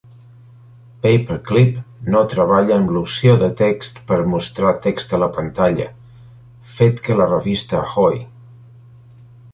PaperClip no treballa amb l'opció de text per mostrar text a la pantalla, fet que la revista Ahoy!